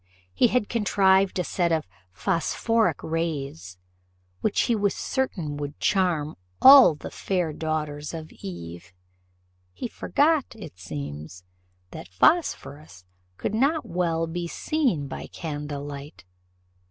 He had contrived a set of phosphoric rays, which he was certain would charm all the fair daughters of Eve. He forgot, it seems, that phosphorus could not well be seen by candlelight.